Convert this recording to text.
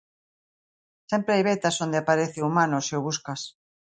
Sempre hai vetas onde aparece o humano se o buscas.